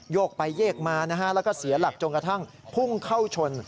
กไปโยกมานะฮะแล้วก็เสียหลักจนกระทั่งพุ่งเข้าชน